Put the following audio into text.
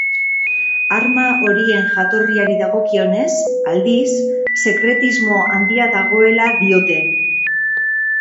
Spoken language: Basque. Arma horien jatorriari dagokionez, aldiz, sekretismo handia dagoela diote.